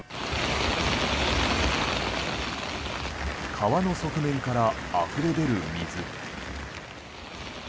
川の側面からあふれ出る水。